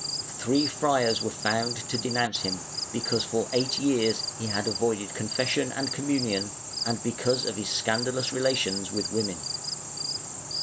Three friars were found to denounce him, because for eight years he had avoided confession and conmiunion, and because of his scandalous relations with women.